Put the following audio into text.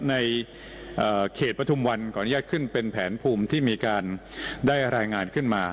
ในเขตปฐุมวันขออนุญาตขึ้นเป็นแผนภูมิที่มีการได้รายงานขึ้นมา